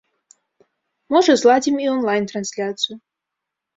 Можа, зладзім і он-лайн трансляцыю.